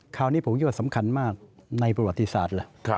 คราวนี้ผมคิดว่าสำคัญมากในประวัติศาสตร์ล่ะ